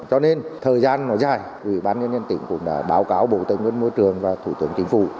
cho nên thời gian nó dài quỹ bán nhân dân tỉnh cũng đã báo cáo bộ tây nguyên môi trường và thủ tướng chính phủ